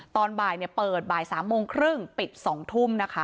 ตอนบ่ายเปิดบ่าย๓โมงครึ่งปิด๒ทุ่มนะคะ